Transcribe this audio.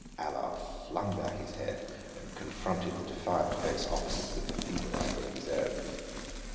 Allard flung back his head and confronted the defiant face opposite with the fevered anger of his own.